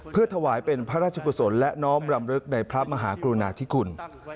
เพื่อถวายเป็นพระราชกุศลและน้อมรำลึกในพระมหากรุณาธิคุณ